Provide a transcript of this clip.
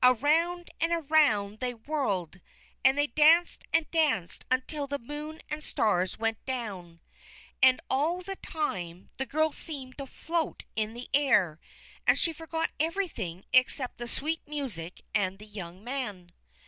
Around and around they whirled, and they danced and danced until the moon and stars went down. And all the time, the girl seemed to float in the air, and she forgot everything except the sweet music and the young man.